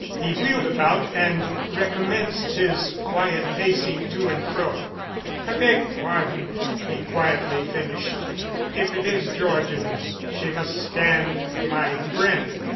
He wheeled about and recommenced his quiet pacing to and fro. "I beg pardon," he quietly finished. "If it is Georgian, she must stand my friend.